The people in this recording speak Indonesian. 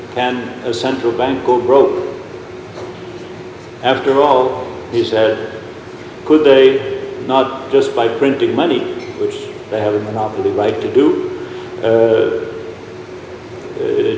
perubahan tersebut kemudian melahirkan konsekuensi tersendiri yang harus disikapi oleh bank sentral seluruh dunia